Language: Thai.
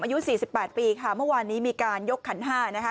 อายุ๔๘ปีค่ะเมื่อวานนี้มีการยกขันห้านะคะ